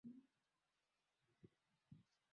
kutembelea kwenda utaenda kuwa polepole Je mji